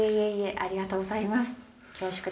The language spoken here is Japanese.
ありがとうございます。